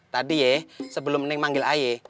tadi ye sebelum neng manggil aye